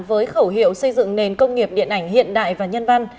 với khẩu hiệu xây dựng nền công nghiệp điện ảnh hiện đại và nhân văn